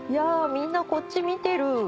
みんなこっち見てる。